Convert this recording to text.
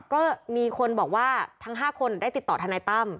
ก็มีคนบอกว่าทั้ง๕คนได้ติดต่อทนายตั้ม